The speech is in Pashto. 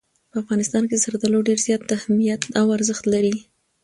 په افغانستان کې زردالو ډېر زیات اهمیت او ارزښت لري.